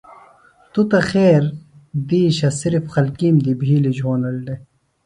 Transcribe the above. توۡ تہ خیر دیشہ صرفِ خلکیم دی بھیلیۡ جھونڑ دےۡ۔